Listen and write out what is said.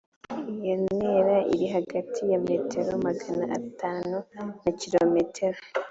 iyo ntera iri hagati ya metero magana atanu na kilometero